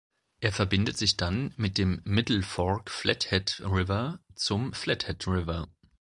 Er verbindet sich dann mit dem Middle Fork Flathead River zum Flathead River.